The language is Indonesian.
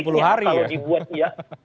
apalagi kalau dibuat ya